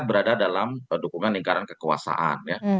berada dalam dukungan lingkaran kekuasaan ya